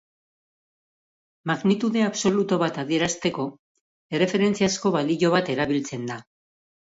Magnitude absolutu bat adierazteko, erreferentziazko balio bat erabiltzen da.